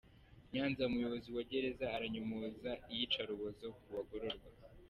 Nyanza Umuyobozi wa Gereza aranyomoza iyicarubozo ku bagororwa